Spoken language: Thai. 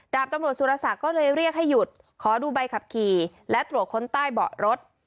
ดาบตำรวจสุรศักดิ์ก็เลยเรียกให้หยุดขอดูใบขับขี่และตรวจค้นใต้เบาะรถ